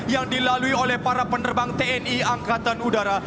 yang dilalui oleh para penerbang tni angkatan udara